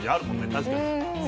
確かに。